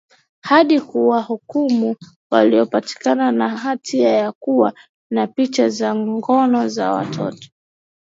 hadi kuwahukumu waliopatikana na hatia ya kuwa na picha za ngono za watoto